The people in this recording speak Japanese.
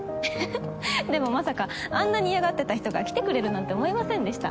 まさかあんなに嫌がってた人が来てくれるなんて思いませんでした。